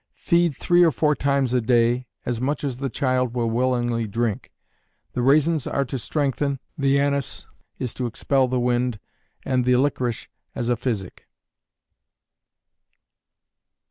Feed three or four times a day, as much as the child will willingly drink. The raisins are to strengthen, the anise is to expel the wind, and the licorice as a physic.